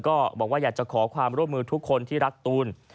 ก็บอกว่าอยากจะขอความร่วมมือทุกคนที่รักตูน